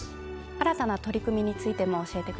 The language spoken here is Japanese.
新たな取り組みについても教えてください。